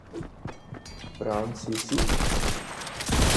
فرانسیسی